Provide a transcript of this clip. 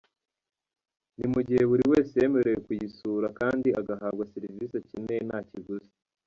Ni mu gihe buri wese yemerewe kuyisura kandi agahabwa serivisi akeneye nta kiguzi.